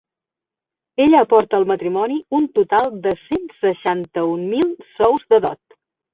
Ella aporta al matrimoni un total cent seixanta-un mil sous de dot.